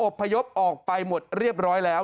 พยพออกไปหมดเรียบร้อยแล้ว